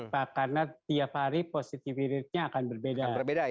karena tiap hari positivity ratenya akan berbeda